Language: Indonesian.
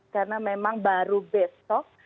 karena memang baru besok